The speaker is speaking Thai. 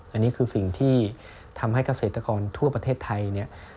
อันนี้คือสิ่งที่ทำให้เกษตรกรทั่วประเทศไทยเนี่ย